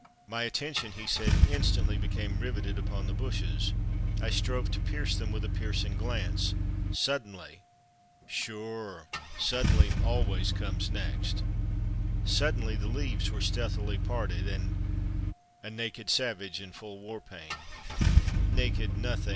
"My attention," he said, "instantly became riveted upon the bushes. I strove to pierce them with a piercing glance. Suddenly—" "Sure! 'Suddenly' always comes next." "Suddenly ... the leaves were stealthily parted, and—" "A naked savage in full war paint—" "Naked nothing!